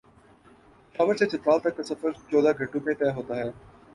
پشاورسے چترال تک کا سفر چودہ گھنٹوں میں طے ہوتا ہے ۔